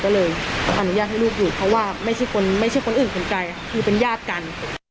ก็เลยอนุญาตให้ลูกอยู่เพราะว่าไม่ใช่คนไม่ใช่คนอื่นคนไกลคือเป็นญาติกัน